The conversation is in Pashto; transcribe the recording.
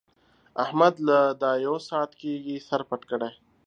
احمد له دا يو ساعت کېږي سر پټ کړی دی.